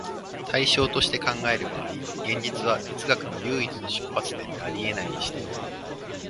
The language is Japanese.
対象として考える場合、現実は哲学の唯一の出発点であり得ないにしても、